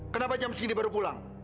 kenapa jam segini baru pulang